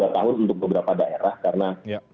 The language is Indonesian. dua tahun untuk beberapa daerah karena